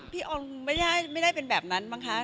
โอนไม่ได้เป็นแบบนั้นมั้งคะ